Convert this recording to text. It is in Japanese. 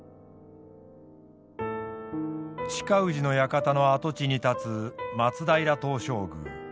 親氏の館の跡地に建つ松平東照宮。